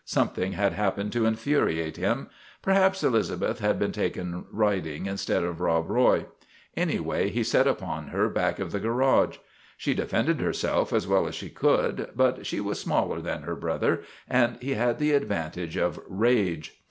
Something had happened to infuriate him. Perhaps Elizabeth had been taken riding instead of Rob Roy. Anyway, he set upon her back of the garage. She defended her self as well as she could; but she was smaller than her brother and he had the advantage of rage.